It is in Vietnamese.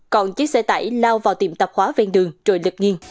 còn chiếc xe tải lao vào tiệm tạp khóa ven đường rồi lật nghiên